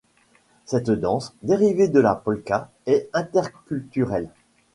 Cette danse, dérivée de la polka, est interculturelle.